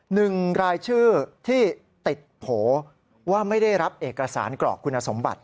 หนึ่งรายชื่อที่ติดโผล่ว่าไม่ได้รับเอกสารกรอกคุณสมบัติ